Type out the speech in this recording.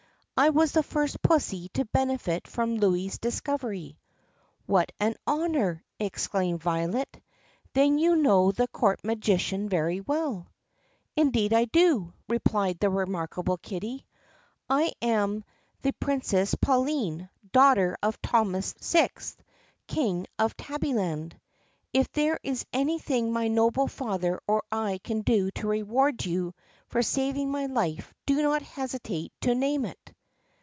I was the first pussy to benefit by Louis's discovery." "What an honor!" exclaimed Violet. "Then you know the court magician very well 4 ?" "Indeed I do!" replied the remarkable kitty. "I am the THE PUSSYCAT PRINCESS 11 Princess Pauline, daughter of Thomas VI, King of Tabby land. If there is anything my noble father or I can do to reward you for saving my life, do not hesitate to name it."